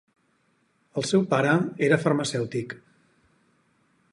El seu pare era farmacèutic.